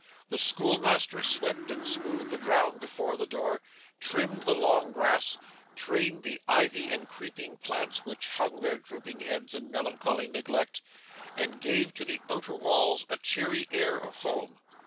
The schoolmaster swept and smoothed the ground before the door, trimmed the long grass, trained the ivy and creeping plants which hung their drooping heads in melancholy neglect; and gave to the outer walls a cheery air of home.